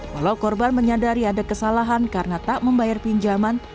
walau korban menyadari ada kesalahan karena tak membayar pinjaman